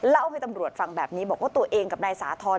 เล่าให้ตำรวจฟังแบบนี้บอกว่าตัวเองกับนายสาธรณ